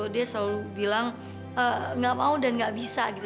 dia selalu bilang gak mau dan gak bisa gitu